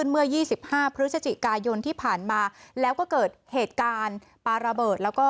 แล้วก็ให้การรับสารภาพตลอดข้อกล่าวหาด้วยอันนี้เป็นภาพจากเหตุการณ์วันนั้นเนี่ยนะคะ